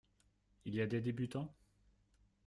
Il y a des débutants ?